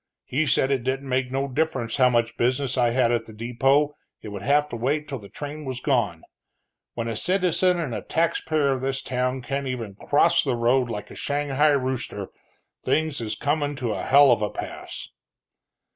He said it didn't make no difference how much business I had at the depot, it would have to wait till the train was gone. When a citizen and a taxpayer of this town can't even cross the road like a shanghai rooster, things is comin' to a hell of a pass!"